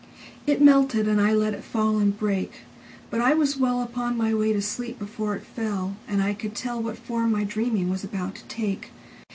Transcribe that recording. It melted, and I let it fall and break. But I was wellUpon my way to sleep before it fell, And I could tellWhat form my dreaming was about to take.